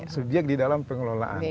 subjek di dalam pengelolaan